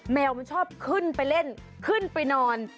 แมวมันชอบขึ้นไปเล่นขึ้นไปนอน